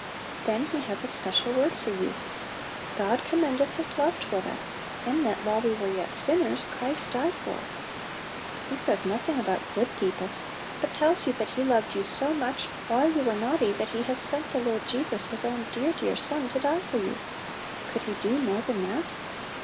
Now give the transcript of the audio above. Then He has a special word for you: " God commendeth His love toward us, in that, while we were yet sinners, Christ died for us." He says nothing about " good people," but tells you that He loved you so much, while you were naughty, that He has sent the Lord Jesus, His own dear, dear Son, to die for you. Could He do more than that?